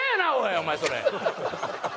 お前それ！